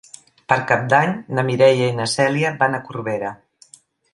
Per Cap d'Any na Mireia i na Cèlia van a Corbera.